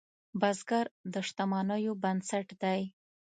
بزګر د شتمنیو بنسټ دی